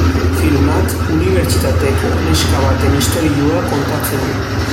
Filmak unibertsitateko neska baten istorioa kontatzen du.